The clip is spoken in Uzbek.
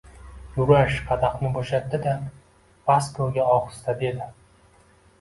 Yurash qadahni boʻshatdi-da, Vaskoga ohista dedi: